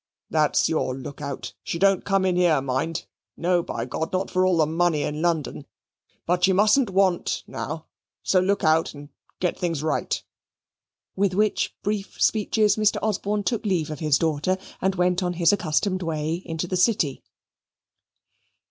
"That's your look out. She don't come in here, mind. No, by , not for all the money in London. But she mustn't want now. So look out, and get things right." With which brief speeches Mr. Osborne took leave of his daughter and went on his accustomed way into the City.